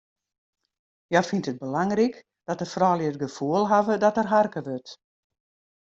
Hja fynt it belangryk dat de froulju it gefoel hawwe dat der harke wurdt.